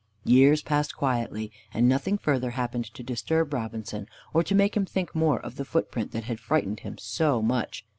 Years passed quietly, and nothing further happened to disturb Robinson, or to make him think more of the footprint that had frightened him so much.